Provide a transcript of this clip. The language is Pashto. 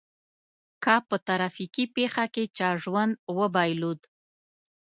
که په ترافيکي پېښه کې چا ژوند وبایلود.